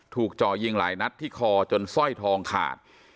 จ่อยิงหลายนัดที่คอจนสร้อยทองขาด